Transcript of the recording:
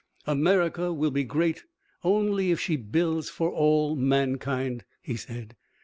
"America will be great only if she builds for all mankind," he said.